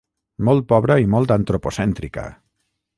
Molt pobra i molt antropocèntrica.